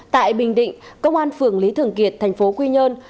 tại bình định công an phường lý thường kiệt thành phố quy nhơn